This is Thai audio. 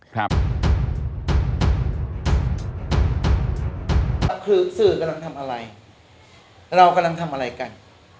คือสื่อกำลังทำอะไรเรากำลังทำอะไรกัน